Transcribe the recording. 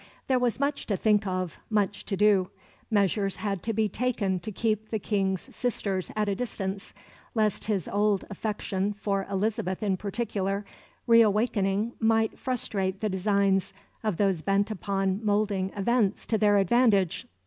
There was much to think of, much to do. Measures had to be taken to keep the King's sisters at a distance, lest his old affection, for Elizabeth in particular, reawakening might frustrate the designs of those bent upon moulding events to their advantage.